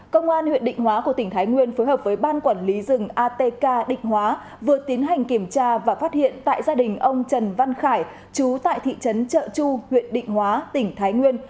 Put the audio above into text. công an huyện định hóa của tỉnh thái nguyên phối hợp với ban quản lý rừng atk định hóa vừa tiến hành kiểm tra và phát hiện tại gia đình ông trần văn khải chú tại thị trấn trợ chu huyện định hóa tỉnh thái nguyên